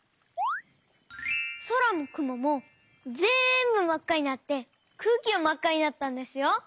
そらもくももぜんぶまっかになってくうきもまっかになったんですよ！